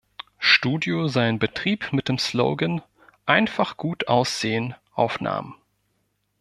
Studio seinen Betrieb mit dem Slogan „Einfach gut aussehen“ aufnahm.